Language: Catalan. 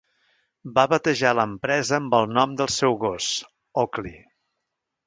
Va batejar l'empresa amb el nom del seu gos: Oakley.